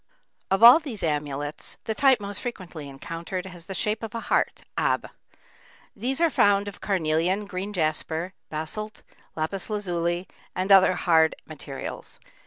Of all these amulets, the type most frequently encountered has the shape of a heart, ab. These are found of carnelian, green jasper, basalt, lapis lazuli, and other hard materials.